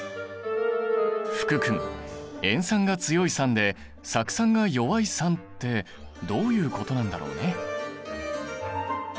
福君塩酸が強い酸で酢酸が弱い酸ってどういうことなんだろうね。